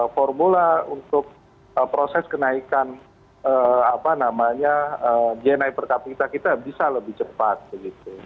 formula untuk proses kenaikan gni per kapita kita bisa lebih cepat begitu